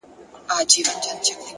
هره پریکړه نوی لوری جوړوي,